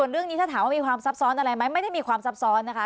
เรื่องนี้ถ้าถามว่ามีความซับซ้อนอะไรไหมไม่ได้มีความซับซ้อนนะคะ